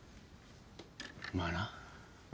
まあな。